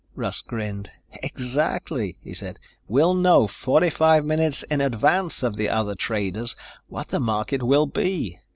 Russ grinned. "Exactly," he said. "We'll know 45 minutes in advance of the other traders what the market will be.